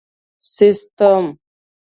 سیسټم